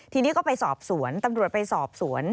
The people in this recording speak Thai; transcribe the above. ทีนี้ก็ไปสอบสวนตำรวจไปสอบสวน